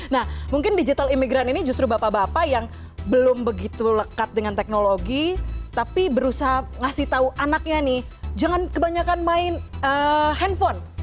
nah mungkin digital imigran ini justru bapak bapak yang belum begitu lekat dengan teknologi tapi berusaha ngasih tahu anaknya nih jangan kebanyakan main handphone